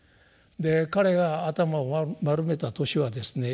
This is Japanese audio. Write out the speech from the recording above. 彼が頭を丸めた年はですね